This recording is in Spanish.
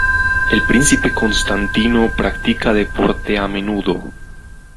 El príncipe Constantino practica deporte a menudo.